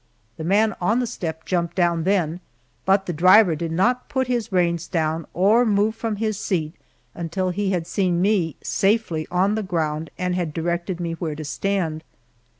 The man on the step jumped down then, but the driver did not put his reins down, or move from his seat until he had seen me safely on the ground and had directed me where to stand.